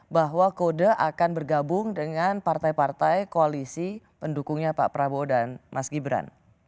bahwa kode akan bergabung dengan partai partai koalisi pendukungnya pak prabowo dan mas gibran